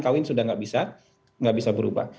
kawin sudah nggak bisa berubah